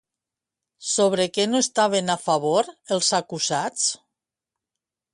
Sobre què no estaven a favor els acusats?